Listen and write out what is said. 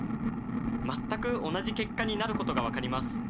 全く同じ結果になることが分かります。